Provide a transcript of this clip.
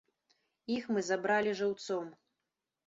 Іх мы забралі жыўцом.